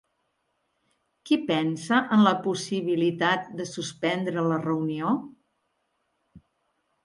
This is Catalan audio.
Qui pensa en la possibilitat de suspendre la reunió?